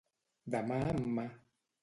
De mà en mà.